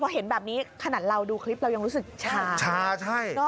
พอเห็นแบบนี้ขนาดเราดูคลิปเรายังรู้สึกชาใช่